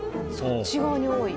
そっち側に多い？